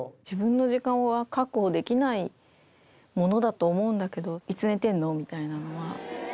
自分の時間は確保できないものだと思うんだけど、いつ寝てるのみたいなのは。